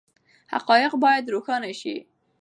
حقایق باید روښانه شي.